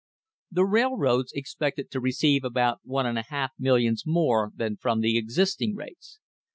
The railroads expected to receive about one and a half millions more than from the existing rates.